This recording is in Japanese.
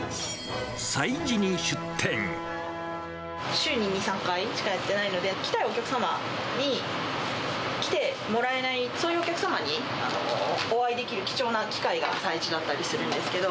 週に２、３回しかやってないので、来たいお客様に来てもらえない、そういうお客様にお会いできる貴重な機会が催事だったりするんですけど。